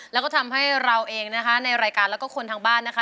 แล้วก็ทำให้เราเองนะคะในรายการแล้วก็คนทางบ้านนะคะ